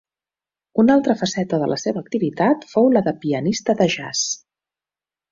Una altra faceta de la seva activitat fou la de pianista de jazz.